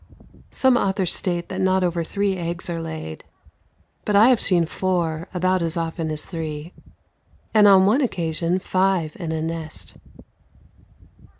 Some authors state that not over three eggs are laid, but I have seen four about as often as three and, on one occasion, five in a nest.